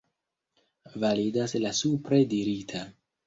Validas la supre dirita.